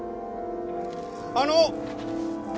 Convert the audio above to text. あの！